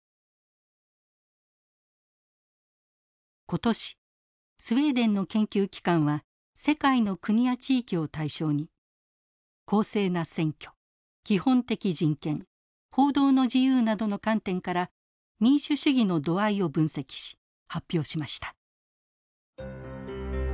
今年スウェーデンの研究機関は世界の国や地域を対象に公正な選挙基本的人権報道の自由などの観点から民主主義の度合いを分析し発表しました。